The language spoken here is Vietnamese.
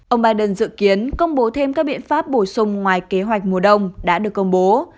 ông biden dự kiến công bố thêm các biện pháp bổ sung ngoài kế hoạch mùa đông đã được công bố